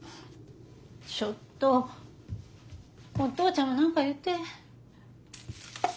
ちょっとお父ちゃんも何か言って。